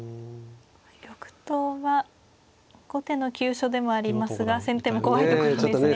玉頭は後手の急所でもありますが先手も怖いところですね。